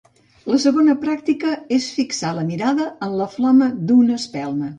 La segona pràctica és fixar la mirada en la flama d'una espelma.